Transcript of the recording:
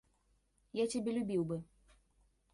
Я цябе любіў бы.